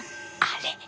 あれ！